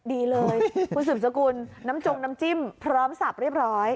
ดีเลยคุณสืบสกุลน้ำจงน้ำจิ้มพร้อมสับเรียบร้อย